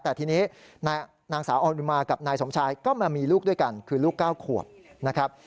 แต่ทีนี้นางสาวออนุมากับนายสมชายก็มามีลูกด้วยกันคือลูก๙ขวบนะครับ